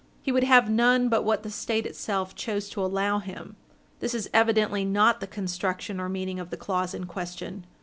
He would have none but what the State itself chose to allow him. This is evidently not the construction or meaning of the clause in question.